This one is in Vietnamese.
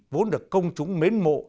vốn được công chúng mến mộ